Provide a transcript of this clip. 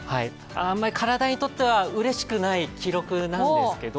あんまり体にとってはうれしくない記録なんですけど